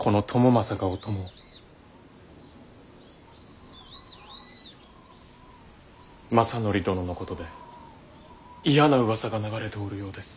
政範殿のことで嫌なうわさが流れておるようです。